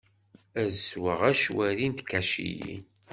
Ad sweɣ acwari n tkaciyin.